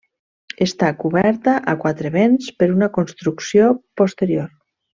Està coberta a quatre vents per una construcció posterior.